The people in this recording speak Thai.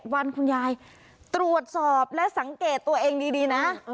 วันคุณยายตรวจสอบและสังเกตตัวเองดีนะ